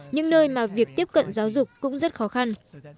những nơi mà việc tiếp cận giáo dục cũng rất khó khăn